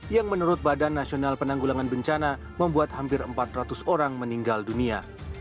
yang menurut badan nasional penanggulangan bencana membuat hampir empat ratus orang meninggal dunia